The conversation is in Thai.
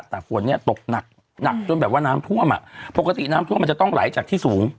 แต่ฝนเนี่ยตกหนักหนักจนแบบว่าน้ำท่วมอ่ะปกติน้ำท่วมมันจะต้องไหลจากที่สูง